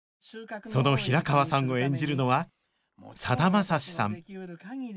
その平川さんを演じるのはさだまさしさん